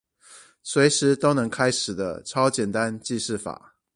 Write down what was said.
隨時都能開始的超簡單記事法